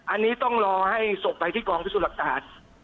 อันนี้ต้องรอให้ศพไปที่กองพิสูจน์หลักฐาน